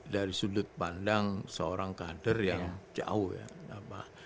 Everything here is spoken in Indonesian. dari sudut pandang seorang kader yang jauh ya